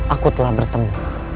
aku telah bertemu